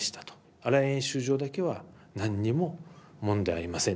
新屋演習場だけは何にも問題ありません。